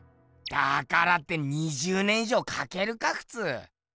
だからって２０年い上かけるかふつう！